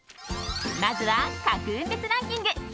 まずは各運別ランキング。